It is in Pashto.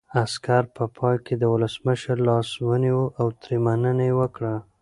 عسکر په پای کې د ولسمشر لاس ونیو او ترې مننه یې وکړه.